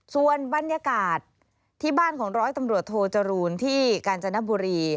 ส่วนบรรยากาศที่บ้านของร้อยตำรวจโทจรูลที่กาญจนบุรี